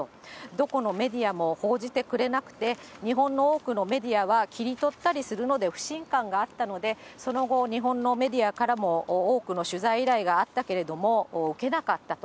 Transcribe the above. どこのメディアも報じてくれなくて、日本の多くのメディアは切り取ったりするので、不信感があったので、その後、日本のメディアからも多くの取材依頼があったけれども、受けなかったと。